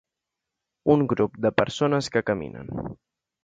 Un grup de persones que caminen